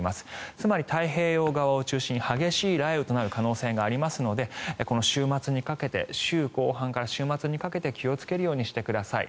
つまり太平洋側を中心に激しい雷雨となる可能性がありますので週後半から週末にかけて気をつけるようにしてください。